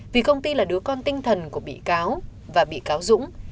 vì công ty là đứa con tinh thần của bị cáo và bị cáo dũng